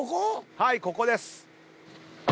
はいここです。